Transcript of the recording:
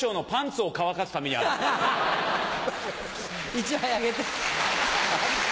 １枚あげて。